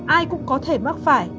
ai cũng có thể mắc phải